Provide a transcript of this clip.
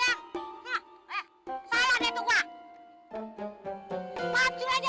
salah deh tukwa